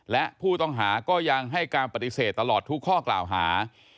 และผู้ต้องหาก็ยังให้การปฏิเสธตลอดทุกข้อกล่าวหา